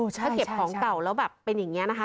ถ้าเก็บของเก่าแล้วแบบเป็นอย่างนี้นะคะ